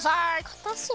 かたそう。